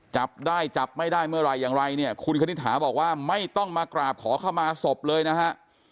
จับได้จับไม่ได้เมื่อไหร่อย่างไรเนี่ยคุณคณิตหาบอกว่าไม่ต้องมากราบขอเข้ามาศพเลยนะฮะ